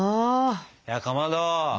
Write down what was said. いやかまど。